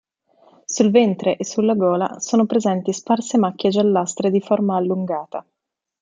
Sul ventre e sulla gola sono presenti sparse macchie giallastre di forma allungata.